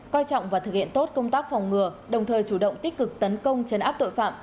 coi trọng và thực hiện tốt công tác phòng ngừa đồng thời chủ động tích cực tấn công chấn áp tội phạm